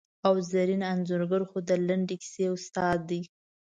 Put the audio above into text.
او زرین انځور خو د لنډې کیسې استاد دی!